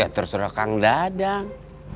ya terserah kang dadang